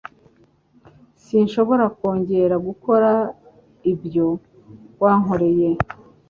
Sinshobora kongera gukora ibyo wa nkoreye.